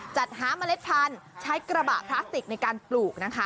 จัดหาเมล็ดพันธุ์ใช้กระบะพลาสติกในการปลูกนะคะ